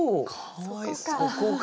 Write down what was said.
そこか。